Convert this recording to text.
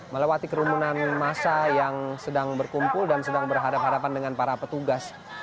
melewati kerumunan masa yang sedang berkumpul dan sedang berhadapan hadapan dengan para petugas